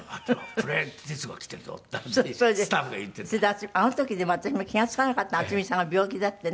それで私あの時でも私も気が付かなかった渥美さんが病気だってね。